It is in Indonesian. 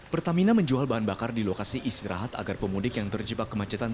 pertamina menjual bahan bakar di lokasi istirahat agar pemudik yang terjebak kemacetan